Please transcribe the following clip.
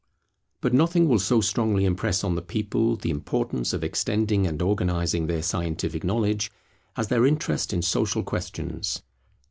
But nothing will so strongly impress on the people the importance of extending and organizing their scientific knowledge, as their interest in social questions.